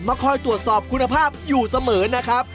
คอยตรวจสอบคุณภาพอยู่เสมอนะครับ